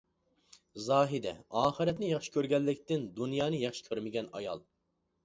زاھىدە:ئاخىرەتنى ياخشى كۆرگەنلىكتىن دۇنيانى ياخشى كۆرمىگەن ئايال.